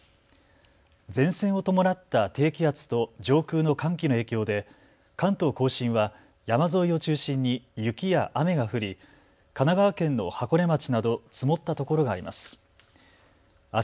前線を伴った低気圧と上空の寒気の影響で関東甲信は山沿いを中心に雪や雨が降り神奈川県の箱根町など積もったところがあります。